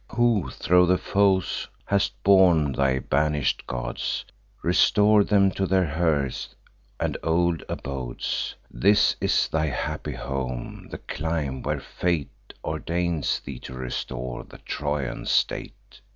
Who thro' the foes hast borne thy banish'd gods, Restor'd them to their hearths, and old abodes; This is thy happy home, the clime where fate Ordains thee to restore the Trojan state.